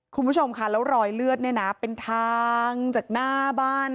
คุณผู้ชมค่ะแล้วรอยเลือดเนี่ยนะเป็นทางจากหน้าบ้าน